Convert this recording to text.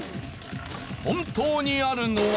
本当にあるのは。